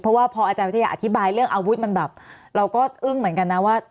เพราะว่าพออาจารย์วิทยาอธิบายเรื่องอาวุธมันแบบเราก็อึ้งเหมือนกันนะว่า